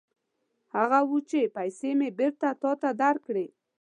هماغه و چې پېسې مې بېرته تا ته درکړې.